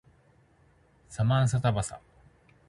サマンサタバサ